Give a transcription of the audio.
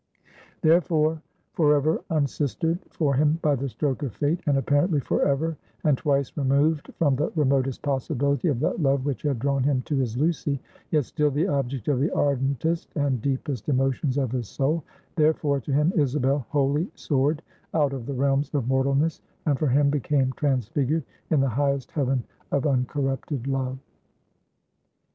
Therefore, forever unsistered for him by the stroke of Fate, and apparently forever, and twice removed from the remotest possibility of that love which had drawn him to his Lucy; yet still the object of the ardentest and deepest emotions of his soul; therefore, to him, Isabel wholly soared out of the realms of mortalness, and for him became transfigured in the highest heaven of uncorrupted Love.